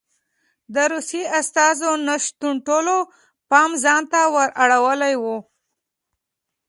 د روسیې استازو نه شتون ټولو پام ځان ته ور اړولی و